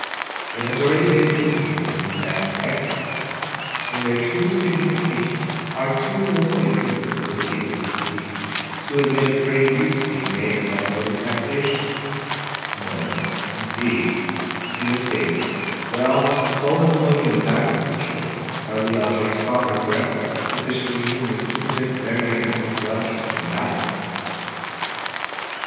It has been already intimated that excises, in their true signification, are too little in unison with the feelings of the people, to admit of great use being made of that mode of taxation; nor, indeed, in the States where almost the sole employment is agriculture, are the objects proper for excise sufficiently numerous to permit very ample collections in that way.